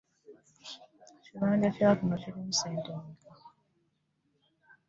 Ebibanja kya kuno biri mu ssente mmeka.